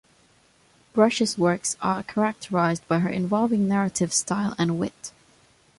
Brush's works are characterized by her involving narrative style and wit.